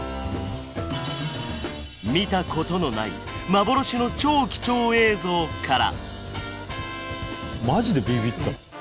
見たことのない幻の超貴重映像から。